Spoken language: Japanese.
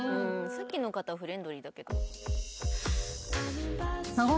さっきの方はフレンドリーだけど。